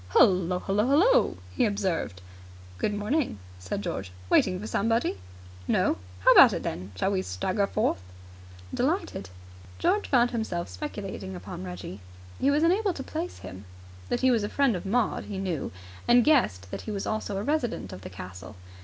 "Hullo! Hullo! Hullo!" he observed. "Good morning," said George. "Waiting for somebody?" "No." "How about it, then? Shall we stagger forth?" "Delighted." George found himself speculating upon Reggie. He was unable to place him. That he was a friend of Maud he knew, and guessed that he was also a resident of the castle.